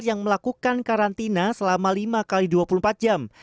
yang melakukan karantina selama lima x dua puluh empat jam